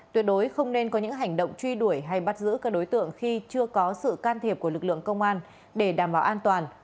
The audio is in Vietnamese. tuyệt đối không nên có những hành động truy đuổi hay bắt giữ các đối tượng khi chưa có sự can thiệp của lực lượng công an để đảm bảo an toàn